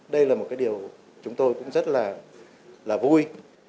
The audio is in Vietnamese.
đây là một cái điều chúng tôi cũng rất là vui